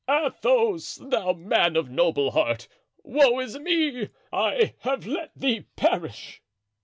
Athos! thou man of noble heart; woe is me! I have let thee perish!"